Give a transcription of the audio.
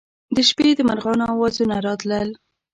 د شپې د مرغانو اوازونه راتلل.